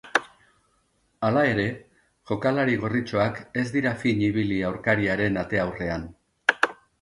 Hala ere, jokalari gorritxoak ez dira fin ibili aurkariaren ate aurrean.